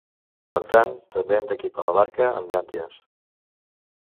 Per tant, també hem d'equipar la barca amb llànties.